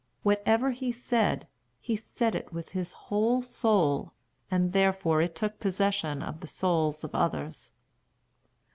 Whatever he said, he said it with his whole soul, and therefore it took possession of the souls of others.